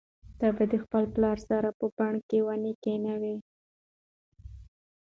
ته باید د خپل پلار سره په بڼ کې ونې کښېنوې.